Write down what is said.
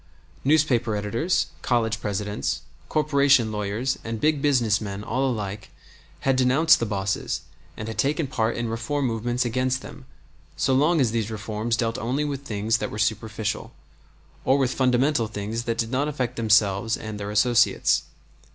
Newspaper editors, college presidents, corporation lawyers, and big business men, all alike, had denounced the bosses and had taken part in reform movements against them so long as these reforms dealt only with things that were superficial, or with fundamental things that did not affect themselves and their associates.